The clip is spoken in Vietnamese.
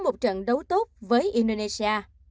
một trận đấu tốt với indonesia